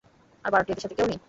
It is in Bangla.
আর ভাড়াটিয়াদের সাথে কেউ নাই।